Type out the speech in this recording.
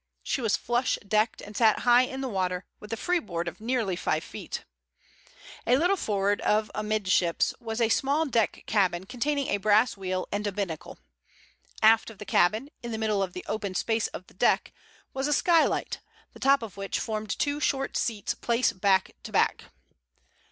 She was flush decked, and sat high in the water, with a freeboard of nearly five feet. A little forward of amidships was a small deck cabin containing a brass wheel and binnacle. Aft of the cabin, in the middle of the open space of the deck, was a skylight, the top of which formed two short seats placed back to back.